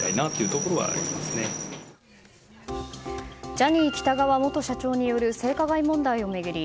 ジャニー喜多川元社長による性加害問題を巡り